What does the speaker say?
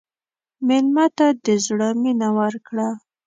مېلمه ته د زړه مینه ورکړه.